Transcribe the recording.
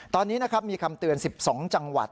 ตอนนี้นะครับมีคำเตือน๑๒จังหวัด